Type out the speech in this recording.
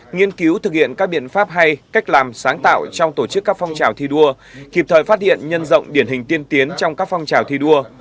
nghiên cứu thực hiện các biện pháp hay cách làm sáng tạo trong tổ chức các phong trào thi đua kịp thời phát hiện nhân rộng điển hình tiên tiến trong các phong trào thi đua